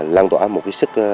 lan tỏa một cái sức